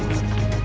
itu apa pak